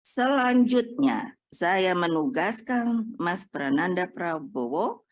selanjutnya saya menugaskan mas prananda prabowo